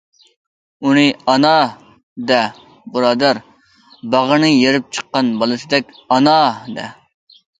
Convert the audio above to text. ئۇنى‹‹ ئانا›› دە بۇرادەر، باغرىنى يېرىپ چىققان بالىسىدەك‹‹ ئانا›› دە!